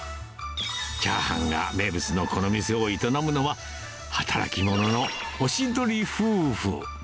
チャーハンが名物のこの店を営むのは、働き者のおしどり夫婦。